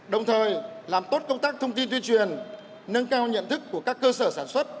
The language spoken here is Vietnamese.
đồng thời làm tốt công tác thông tin tuyên truyền nâng cao nhận thức của các cơ sở sản xuất